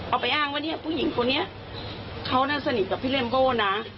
เอาไปอ้างว่าเนี่ยผู้หญิงคนนี้เขาน่ะสนิทกับพี่เลมโก้นะ